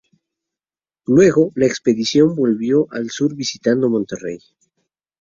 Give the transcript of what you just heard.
Luego, la expedición volvió al sur visitando Monterrey.